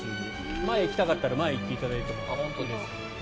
前に行きたかったら前に行っていただいても。